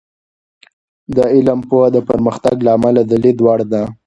د علم پوهه د پرمختګ د لامله د لید وړ ده.